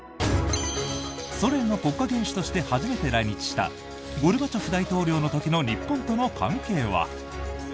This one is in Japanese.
ソ連の国家元首として初めて来日したゴルバチョフ大統領の時の日本との関係は？